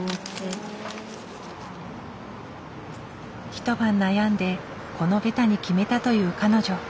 一晩悩んでこのベタに決めたという彼女。